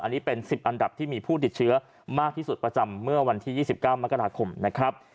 อันนี้เป็น๑๐อันดับที่มีผู้ติดเชื้อมากที่สุดประจำเมื่อวันที่๒๙มกราคมนะครับ